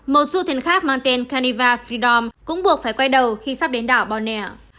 một du thuyền khác mang tên caniva freedom cũng buộc phải quay đầu khi sắp đến đảo bonaire